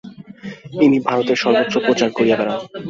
ইনি ভারতের সর্বত্র প্রচার করিয়া বেড়ান।